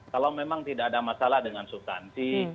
kalau memang tidak ada masalah dengan substansi